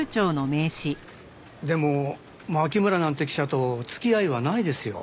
でも牧村なんて記者と付き合いはないですよ。